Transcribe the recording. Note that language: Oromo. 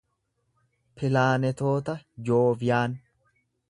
pilaanetoota jooviyaan